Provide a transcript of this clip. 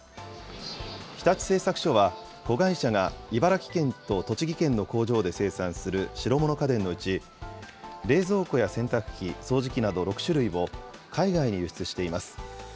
日立製作所は、子会社が茨城県と栃木県の工場で生産する白物家電のうち、冷蔵庫や洗濯機、掃除機など６種類を、海外に輸出しています。